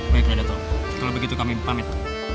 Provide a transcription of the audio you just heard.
baiklah datu kalau begitu kami pamit